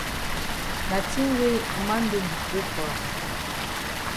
Na tin way man don di pray for am.